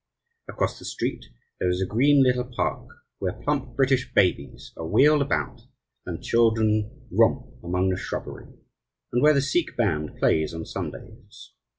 Across the street there is a green little park, where plump British babies are wheeled about and children romp among the shrubbery, and where the Sikh band plays on Sundays.